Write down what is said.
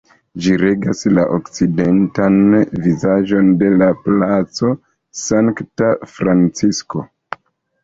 Ĝi regas la okcidentan vizaĝon de la Placo Sankta Francisko.